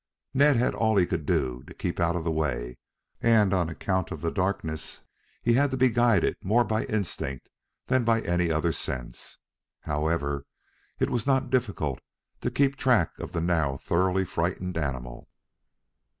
Ned had all he could do to keep out of the way, and on account of the darkness he had to be guided more by instinct than by any other sense. However, it was not difficult to keep track of the now thoroughly frightened animal.